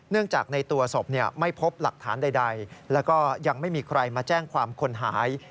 จากในตัวศพไม่พบหลักฐานใดแล้วก็ยังไม่มีใครมาแจ้งความคนหาย